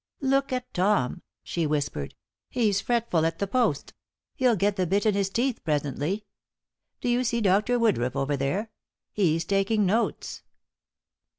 "Look at Tom," she whispered. "He's fretful at the post. He'll get the bit in his teeth, presently. Do you see Dr. Woodruff over there? He's taking notes."